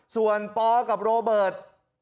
ส่วนปกับโรเบิร์ต